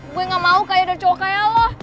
gue gamau kayak ada cowok kayak lo